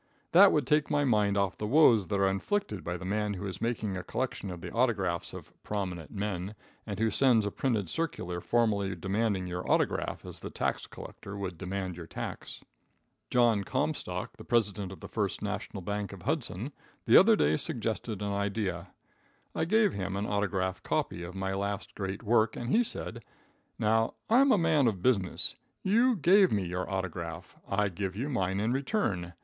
That would take my mind off the woes that are inflicted by the man who is making a collection of the autographs of "prominent men," and who sends a printed circular formally demanding your autograph, as the tax collector would demand your tax. John Comstock, the President of the First National Bank, of Hudson, the other day suggested an idea. I gave him an autograph copy of my last great work, and he said: "Now, I'm a man of business. You gave me your autograph, I give you mine in return.